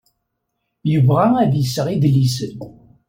Yebɣa ad d-iseɣ idlisen.